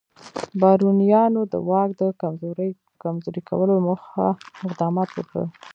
بارونیانو د واک د کمزوري کولو موخه اقدامات وکړل.